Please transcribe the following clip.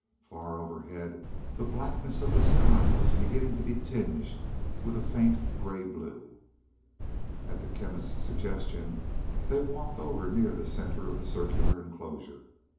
Far overhead the blackness of the sky was beginning to be tinged with a faint gray blue. At the Chemist's suggestion they walked over near the center of the circular enclosure.